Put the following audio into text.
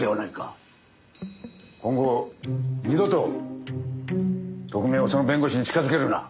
今後二度と特命をその弁護士に近づけるな。